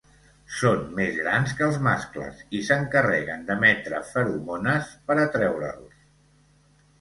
Són més grans que els mascles i s'encarreguen d'emetre feromones per atreure'ls.